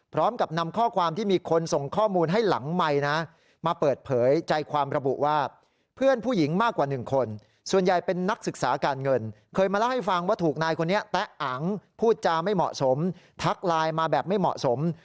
พูดจาไม่เหมาะสมทักไลน์มาแบบไม่เหมาะสม